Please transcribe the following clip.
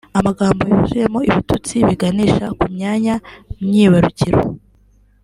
Amagambo yuzuyemo ibitutsi biganisha ku myanya myibarukiro